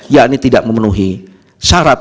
yakni tidak memenuhi syarat